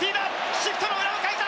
シフトの裏をかいた！